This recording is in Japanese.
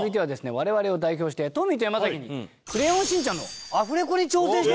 我々を代表してトミーと山崎に『クレヨンしんちゃん』のアフレコに挑戦して。